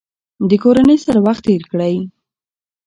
د کورنۍ سره وخت تیر کړئ.